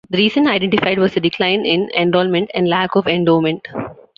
The reason identified was a decline in enrollment and lack of endowment.